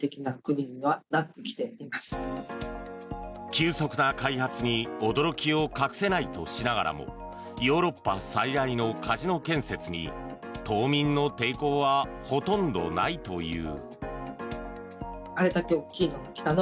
急速な開発に驚きを隠せないとしながらもヨーロッパ最大のカジノ建設に島民の抵抗はほとんどないという。